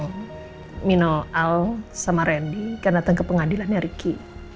tentang mino el sama randy akan datang ke pengadilan ricky